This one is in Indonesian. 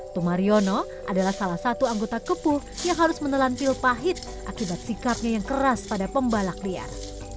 tumariono adalah salah satu anggota kepuh yang harus menelan pil pahit akibat sikapnya yang keras pada pembalak liar